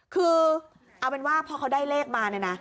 คือเอาเป็นว่าพอเขาได้เลขมาเนี่ยนะ